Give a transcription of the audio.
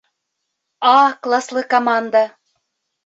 «А» класлы команда